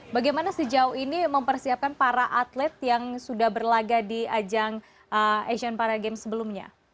bagaimana sejauh ini mempersiapkan para atlet yang sudah berlaga di ajang asian para games sebelumnya